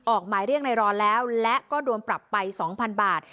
ออกหมายเรียกในรอนแล้วและก็โดนปรับไป๒๐๐๐บาท